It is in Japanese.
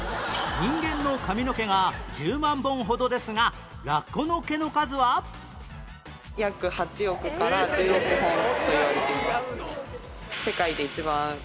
人間の髪の毛が１０万本ほどですがラッコの毛の数は？といわれてます。